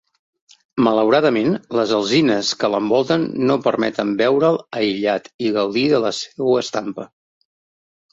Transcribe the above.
Malauradament, les alzines que l'envolten no permeten veure'l aïllat i gaudir de la seua estampa.